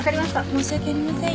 申し訳ありません。